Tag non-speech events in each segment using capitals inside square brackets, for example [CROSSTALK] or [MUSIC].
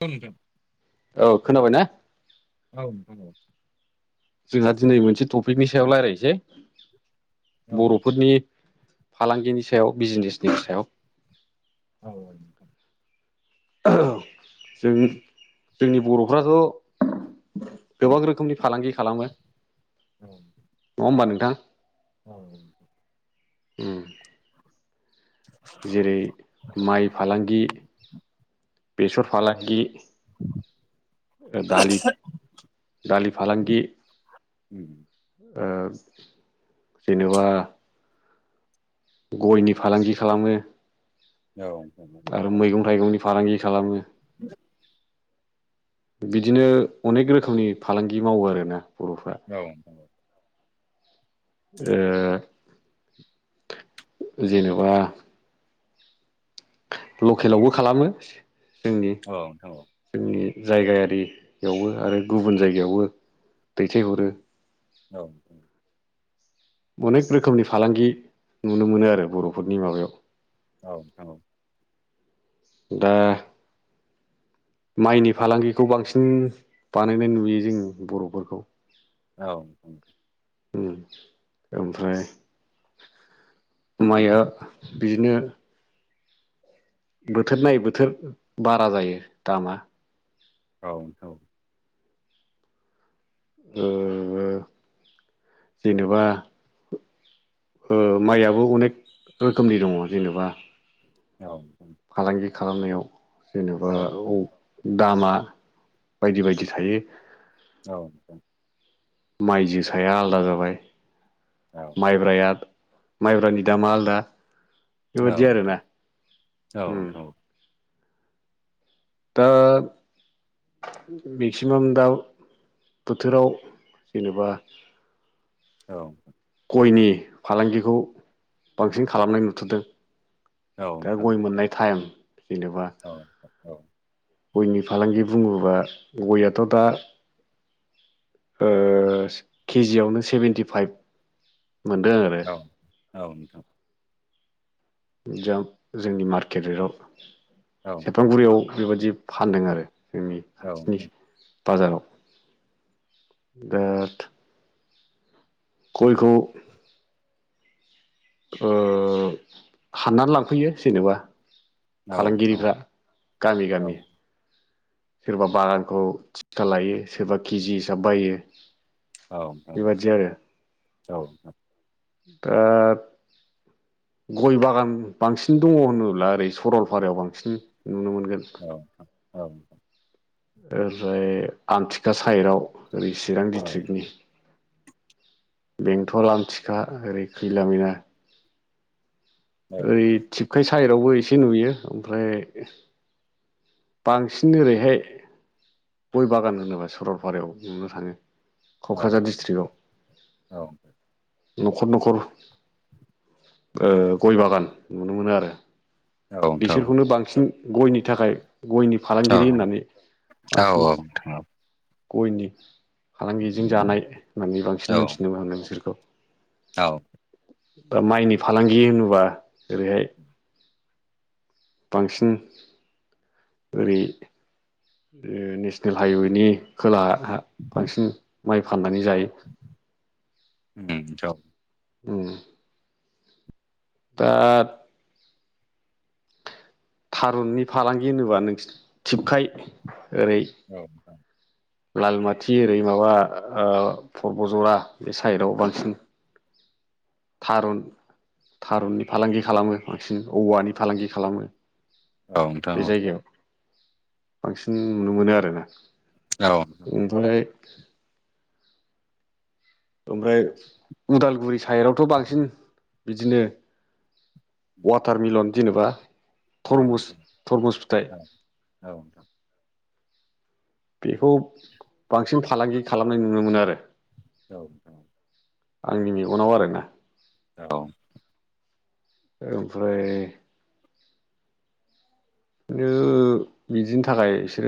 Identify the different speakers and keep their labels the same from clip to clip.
Speaker 1: औ नोंथां
Speaker 2: औ खोनाबाय ना
Speaker 1: औ नोंथां औ
Speaker 2: जोंहा दिनै मोनसे टपिकनि सायाव लायरायसै
Speaker 1: औ नोंथां
Speaker 2: बर'फोरनि फालांगिनि सायाव बिजनेसनि सायाव
Speaker 1: औ औ
Speaker 2: जों जोंनि बर'फ्राथ' गोबां रोखोमनि फालांगि खालामो
Speaker 1: औ
Speaker 2: होमबा नोंथां
Speaker 1: [UNINTELLIGIBLE]
Speaker 2: उम जेरै माइ फालांगि बेसर फालांगि दालि दालि फालांगि
Speaker 1: उम
Speaker 2: ओ जेनोबा गयनि फालांगि खालामो
Speaker 1: औ औ
Speaker 2: मैगंनि फालांगि खालामो
Speaker 1: [INAUDIBLE]
Speaker 2: बिदिनो अनेक रोखोमनि फालांगि मावो आरोना बर'फ्रा
Speaker 1: औ
Speaker 2: ओ जेनोबा लकेलावबो खालामो जोंनि
Speaker 1: औ उम औ नोंथां औ
Speaker 2: जोंनि जायगायारियावबो आरो गुबुन जायगायावबो दैथायहरो
Speaker 1: औ
Speaker 2: अनेक रोखोमनि फालांगि नुनो मोनो आरो बर'फोरनि माबायाव
Speaker 1: औ औ
Speaker 2: दा माइनि फालांगिखौ बांसिन बानायनाय नुयो जों बर'फोरखौ
Speaker 1: औ
Speaker 2: ओ ओमफ्राय माइया बिदिनो बोथोर नाय बोथोर बारा जायो दामा
Speaker 1: औ औ
Speaker 2: ओ जेनोबा ओ माइ आबै अनेक रोखोमनि दङ जेनेबा
Speaker 1: औ
Speaker 2: फालांगि खालामनायाव जेनेबा औ दामा बायदि बायदि थायो।
Speaker 1: औ
Speaker 2: माइ जोसाया आलादा जाबाय
Speaker 1: औ नोंथां औ नोंथां औ नोंथां औ
Speaker 2: माइब्राया माइब्रानि दामा आलदा।
Speaker 1: औ
Speaker 2: बेबायदि आरोना
Speaker 1: नोंथां औ
Speaker 2: उम
Speaker 1: नोंथां औ।
Speaker 2: दा मेक्सिमाम दा बोथोराव जेनेबा गयनि फालांगिखौ बांसिन खालामनाय नुथदों। दा गय मोननाय टाइम। जेनेबा
Speaker 1: औ औ
Speaker 2: गयनि फालांगि बुङोबा गयाथ' दा ओ केजियावनो सेभेेनटि फाइभ मोनदों आरो
Speaker 1: औ औ नोंथां।
Speaker 2: जा जोंनि मार्केट रेटआव सेरफांगुरियाव बेबादि फानदों आरो जोंनि खाथिनि। बाजाराव बिराद गयखौ ओ खाननानै लांफैयो जेनेबा फालांगिरिफ्रा गामि गामि सोरबा बागानखौ थिथा लायो सोरबा केजि हिसाब बायो। बेबादि आरो।
Speaker 1: औ
Speaker 2: दा गय बागान बांसिन दङ होनोब्ला ओरै सरलपारायाव बांसिन नुनो मोनगोन
Speaker 1: औ औ
Speaker 2: ओमफ्राय आमथिखा साइडाव ओरै चिरां डिस्ट्रिक्टनि बेंतल आमथिखा ओरै खैलामैला ओरै थिफखाय साइडावबो एसे नुयो ओमफ्राय बांसिन ओरैहाय गय बागान होनोब्ला सरलपारायाव नुनो थाङो। क'क्राझार डिस्ट्रिक्टआव। न'खर न'खर ओ गय बागान नुनो मोनो आरो। बिसोरखौनो बांसिन गयनि थाखाय गयनि फालांगिरि होननानै
Speaker 1: औ
Speaker 2: बांसिन
Speaker 1: औ
Speaker 2: गयनि फालांगिजों जानाय होननानै
Speaker 1: औ
Speaker 2: बांसिन मोनथिनोबो हागोन बिसोरखौ।
Speaker 1: औ
Speaker 2: दा माइनि फालांगि होनोबा ओरैहाय बांसिन ओरै ओ नेसनेल हाइवेनि खोलाहा बांसिन माइ फाननानै जायो
Speaker 1: ओम ज'
Speaker 2: उम दा थारुननि फालांगि होनोबा नों थिबखाय ओरै
Speaker 1: औ
Speaker 2: लालमाथि ओरै माबा ओ परबजरा बे साइदआव बांसिन थारुन थारुननि फालांगि खालामो बांसिन औवानि फालांगि खालामो।
Speaker 1: औ नोंथां
Speaker 2: बे
Speaker 1: औ
Speaker 2: जायगायाव बांसिन नुनो मोनो आरोना
Speaker 1: औ औ
Speaker 2: ओमफ्राय ओमफ्राय उदालगुरि साइडआवथ' बांसिन बिदिनो वाटार मिलन जेनोबा
Speaker 1: औ
Speaker 2: थरमुस
Speaker 1: नोंथां
Speaker 2: थरमुस फिथाइ
Speaker 1: औ औ नोंथां औ नोंथां
Speaker 2: बेखौ बांसिन फालांगि खालामनाय नुनो मोनो आरो
Speaker 1: औ औ
Speaker 2: आंनि मेगनाव आरोना
Speaker 1: औ
Speaker 2: ओमफ्राय खिन्थु बिदिनि थाखाय इसोर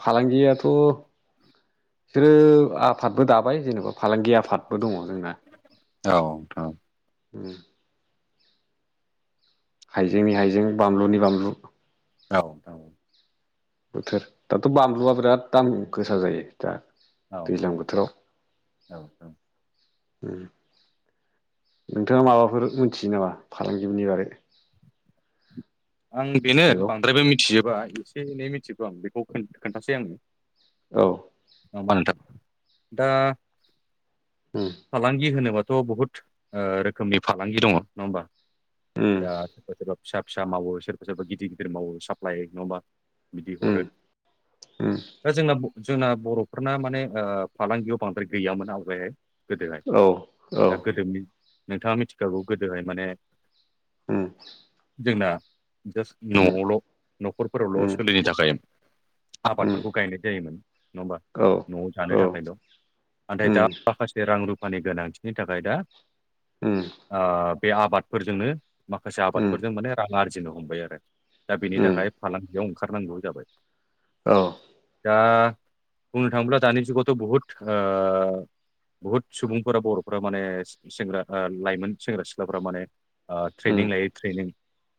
Speaker 2: फालांगियाथ' बिसोरो आफादबो दाबाय जेनोबा फालांगि आफाद
Speaker 1: औ औ
Speaker 2: ओम हाइजेंनि हाइजें बानलुनि बानलु
Speaker 1: औ औ
Speaker 2: बोथोर दाथ' बानलुआ बिराद दाम गोसा जायो दा
Speaker 1: औ
Speaker 2: दैज्लां
Speaker 1: नोंथां औ
Speaker 2: बोथोराव
Speaker 1: औ औ
Speaker 2: उम नोंथाङा माबाफोर मोनथियो नामा फालांगिनि बागै
Speaker 1: आं बेनो बांद्रायबो मिथिजोबा एसे एनै मिथिगौ आं बेखौ खोन्थासै आं होमबा नोथां दा
Speaker 2: उम
Speaker 1: फालांगि होनोबाथ' बहुत ओ रोखोमनि फालांगि दङ नङा होमबा दा
Speaker 2: उम
Speaker 1: सोरबा सोरबा फिसा फिसा मावो सोरबा सोरबा गिदिर गिदिर मावो साप्लाइ नंआ होनबा बिदि
Speaker 2: उम
Speaker 1: हरो
Speaker 2: उम
Speaker 1: दा जोंना जोंना बर'फोरना माने ओ फालांगियाव बांद्राय गैयामोन आवगायहाय गोदोहाय
Speaker 2: औ औ
Speaker 1: दा गोदोनि नोंथाङा मिथिखागौ गोदोहाय माने
Speaker 2: ओम
Speaker 1: जोंना जास्ट न'आवल' न'ख'रफोरावल'
Speaker 2: उम उम
Speaker 1: सोलिनो थाखाय
Speaker 2: उम
Speaker 1: आबादफोरखौ गायनाय जायोमोन । नङा होमबा
Speaker 2: औ
Speaker 1: न'आव जानो
Speaker 2: औ
Speaker 1: थाखायल' नाथाय दा
Speaker 2: उम
Speaker 1: माखासे रां रुपा रुपानि गोनांथिनि थाखाय दा
Speaker 2: उम उम
Speaker 1: ओ बे आबादफोरजोंनो माखासे आबादफोरजों माने रां आरजिनो हमबाय आरो दा बेनि
Speaker 2: उम
Speaker 1: थाखाय फालांगिआव ओंखार नांगौ जाबाय
Speaker 2: औ
Speaker 1: दा बुंनो थांओब्ला दानि जुगावथ' बहुत आ बुहुद सुबुंफोरा बर'फोरा माने सेंग्रा आ लाइमोन सेंग्रा सिख्लाफोरा माने आ ट्रेनिं लायो ट्रेनिं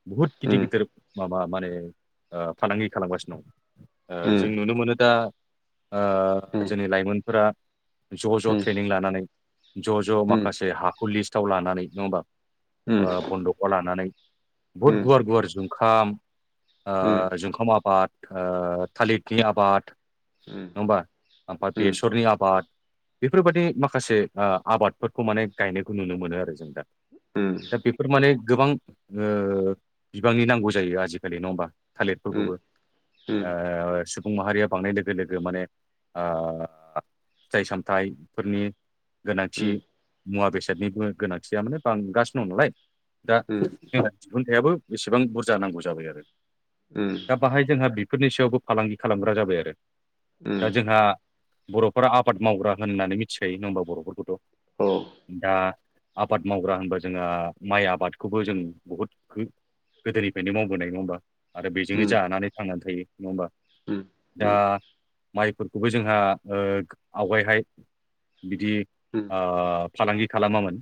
Speaker 1: बुहुद गिदिर
Speaker 2: उम उम
Speaker 1: गिदिर माबा माने ओ फालांगि खालामगासिनो दं
Speaker 2: उम
Speaker 1: ओ जों नुनो मोनो दा ओ जोंनि लाइमोनफोरा ज' ज'
Speaker 2: उम
Speaker 1: ट्रेनिं लानानै ज'
Speaker 2: उम
Speaker 1: ज' माखासे हाखौ लिस्टआव लानानै नङा होमबा
Speaker 2: उम उम
Speaker 1: ओ बन्दकआव लानानै बुहुद गुवार गुवार जुंखाम
Speaker 2: उम
Speaker 1: आ जुंखाम आबाद ओ थालिरनि आबाद नङा होमबा ओमफ्राय बेसरनि आबाद बेफोरबादि माखासे ओ आबादफोरखौ माने गायनायखौ नुनो मोनो आरो जों दा दा बेफोर माने गोबां ओ बिबांनि नांगौ जायो आजिखालि नंआ होमबा थालिरफोरखौबो
Speaker 2: उम
Speaker 1: आ सुबुं माहारिया बांनाय लोगो लोगो माने आ फिथाइ सामथाइफोरनि गोनांथि मुवा बेसादनिबो गोनांथिया माने बांगासिनो दं नालाय दा जोंना दिहुनथायाबो एसेबां बुरजा नांगौ जाबाय आरो दा बाहाय जोंहा बेफोरनि सायावबो फालांगि खालामग्रा जाबाय आरो
Speaker 2: उम
Speaker 1: दा जोंहा बर'फोरा आबाद मावग्रा होननानै मिथिखायो नङा होमबा बर'फोरखौथ'
Speaker 2: औ
Speaker 1: दा आबाद मावग्रा होनबा जोंहा माइ आबादखौबो जों बहुद गोदोनिफ्रायनो मावबोनाय नङा होमबा आरो बेजोंनो
Speaker 2: उम
Speaker 1: जानानै थांनानै थायो। नङा होमबा
Speaker 2: उम
Speaker 1: दा
Speaker 2: उम
Speaker 1: माइफोरखौबो जोंहा ओ आवगायहाय बिदि
Speaker 2: उम
Speaker 1: आ फालांगि खालामामोन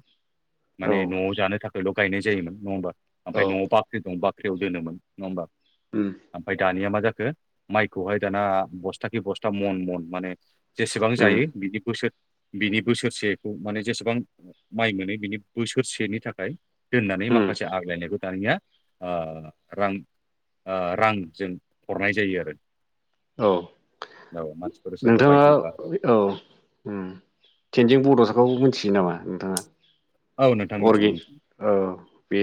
Speaker 2: औ
Speaker 1: माने न'आव जानो थाखायल' गायनाय जायोमोन नङा होमबा ओमफ्राय
Speaker 2: औ
Speaker 1: न'आव बाख्रि दं बाख्रियाव दोनोमोन नङा होमबा
Speaker 2: उम
Speaker 1: ओमफ्राय दानिया मा जा खो माइखौहाय दाना बस्था खि बस्था मन मन माने जेसेबां
Speaker 2: उम
Speaker 1: जायो बिनि बोसोर बिनि बोसोरसेखौ माने जेसेबां माइ मोनो बिनि बोसोरसेनि थाखाय दोननानै
Speaker 2: उम
Speaker 1: माखासे आग्लायनायखौ दानिया ओ रां रांजों हरनाय जायो आरो
Speaker 2: औ
Speaker 1: औ मानसिफोर सोरबा
Speaker 2: नोंथाङा
Speaker 1: बायफैबा
Speaker 2: औ उम थेनजिं बड' हाबाखौबो मिथियो नामा नोंथाङा
Speaker 1: औ नोंथां
Speaker 2: अर्गे
Speaker 1: मिथिगौ
Speaker 2: औ बे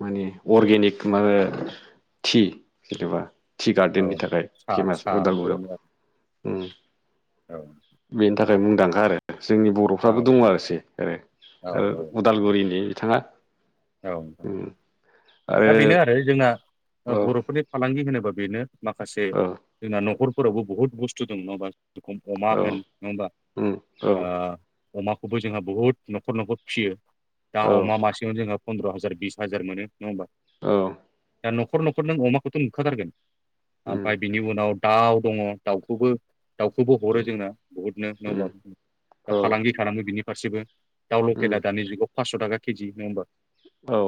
Speaker 2: माने अर्गेनिक [UNINTELLIGIBLE] टि जेनेबा टि
Speaker 1: औ
Speaker 2: गार्देननि थाखाय
Speaker 1: सा
Speaker 2: फेमास
Speaker 1: सा
Speaker 2: उदालगुरियाव
Speaker 1: बर'नो आरो
Speaker 2: उम बेनि थाखाय मुंदांखा आरो जोंनि
Speaker 1: औ
Speaker 2: बर'फ्राबो दङ आरोखि
Speaker 1: औ औ
Speaker 2: उदालगुरिनि बिथाङा
Speaker 1: औ
Speaker 2: उम
Speaker 1: दा बेनो आरो जोंना
Speaker 2: औ
Speaker 1: बर'फोरनि फालांगि होनोबा बेनो माखासे
Speaker 2: औ
Speaker 1: जोंना न'खरफोरावबो बहुत बुस्थु दं नङा होमबा अमा
Speaker 2: औ
Speaker 1: होन नङा होमबा अमाखौबो जोंहा बुहुद न'खर न'खर फिसियो दा
Speaker 2: औ
Speaker 1: अमा मासेयाव जोंङो पन्द्र हाजार बिस हाज मोन नङा होमबा
Speaker 2: औ
Speaker 1: दा न'खर न'खर नों अमाखौथ' नुखाथारगोन
Speaker 2: उम
Speaker 1: ओमफ्राय बिनि उनाव दाउ दङ दाउखौबो दाउखौबो हरो जोंना बहुदनो नङा
Speaker 2: उम
Speaker 1: होमबा
Speaker 2: औ
Speaker 1: दा फालांगि खालामो बिनि फारसेबो दाउ
Speaker 2: उम
Speaker 1: लकेना दानि जुगाव फासस थाखा केजि नङा होमबा
Speaker 2: औ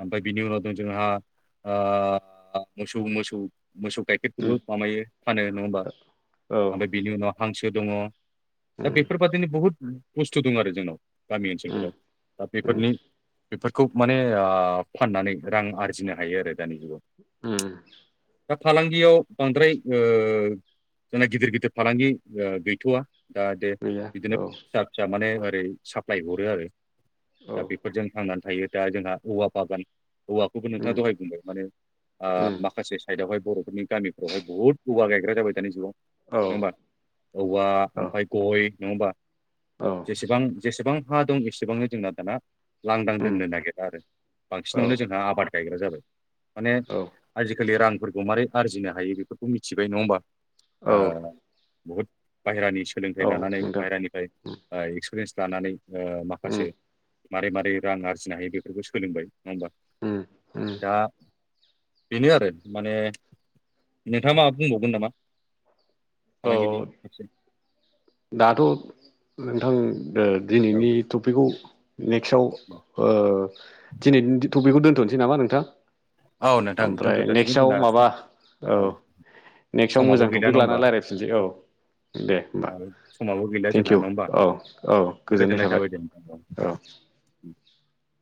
Speaker 1: ओमफ्राय बिनि उनाव दं जोंहा मोसौ मोसौ मोसौ गाइखेरखौबो
Speaker 2: उम
Speaker 1: माबायो फानो नङा होमबा
Speaker 2: औ
Speaker 1: ओमफ्राय बिनि उनाव हांसो दङ दा
Speaker 2: उम
Speaker 1: बेफोरबादिनो बहुद बुस्थु दं आरो जोंनाव गामि
Speaker 2: उम
Speaker 1: ओनसोलफोराव दा
Speaker 2: उम
Speaker 1: बेफोरनि बेफोरखौ माने फाननानै रां आरजिनो हायो आरो दानि जुगाव
Speaker 2: उम
Speaker 1: दा फालांगियाव बांद्राय जोंना गिदिर गिदिर फालांगि गैथ'वा दा
Speaker 2: गैया
Speaker 1: बिदिनो
Speaker 2: औ
Speaker 1: फिसा फिसा माने ओरै साप्लाय हरो आरो
Speaker 2: औ
Speaker 1: दा बेफोरजों थांनानै थायो दा जोंहा औवा बागान हौवाखौबो नोंथाङा
Speaker 2: उम
Speaker 1: दहाय बुंबाय माने
Speaker 2: उम
Speaker 1: माखासे साइदावहाय बर'फोरनि गामिफ्रावहाय बहुत गवा गायग्रा जाबाय दानि जुगाव
Speaker 2: औ
Speaker 1: नङा होमबा औवा
Speaker 2: औ
Speaker 1: ओमफ्राय गय नङा होमबा
Speaker 2: औ
Speaker 1: जेसेबां जेसेबां हा दं एसेबांनो जोंना दाना लांदां
Speaker 2: उम
Speaker 1: दोननो नागिरा आरो
Speaker 2: औ
Speaker 1: बांसिनावनो जोंहा आबाद गायग्रा जाबाय माने
Speaker 2: औ
Speaker 1: आजिखालि रांफोरखौ मारै आरजिनो हायो बेफोरखौ मिथिबाय नङा होमबा
Speaker 2: औ
Speaker 1: बहुद बाहेरानि सोलोंथाइ
Speaker 2: औ
Speaker 1: लानानै
Speaker 2: नोंथां
Speaker 1: बाहेरानिफ्राय एक्सपिरियेन्स लानानै
Speaker 2: उम
Speaker 1: माखासे मारै मारै रां आरजिनो हायो बेफोरखौ सोलोंबाय होनबा
Speaker 2: उम उम
Speaker 1: दा बेनो आरो माने नोंथाङ मा बुंबावगोन नामा
Speaker 2: औ
Speaker 1: फालांगिनि एसे
Speaker 2: दाथ नोंथां
Speaker 1: औ
Speaker 2: दिनैनि टपिकखौ नेक्स्टआव दिनै थ' बेखौ दोन्थनोसै नामा नोंथां
Speaker 1: औ नोंथां
Speaker 2: ओमफ्राय
Speaker 1: दोनथ' जासिगोन
Speaker 2: नेक्स्टआव
Speaker 1: जोंना सम
Speaker 2: माबा औ नेक्स्टआव
Speaker 1: समाबो
Speaker 2: मोजां
Speaker 1: गैला नङा
Speaker 2: टपिक
Speaker 1: होमबा
Speaker 2: लानानै रायज्लायफिननोसै औ दे होमबा
Speaker 1: ओ समाबो गैला जोंहा
Speaker 2: थेंकिउ
Speaker 1: नङा होमबा
Speaker 2: औ औ गोजोननाय थाबाय औ [INAUDIBLE]